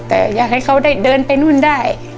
แต่อยากให้เขาได้เดินไปนู่นได้